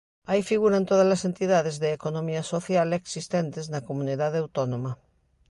Aí figuran todas as entidades de economía social existentes na comunidade autónoma.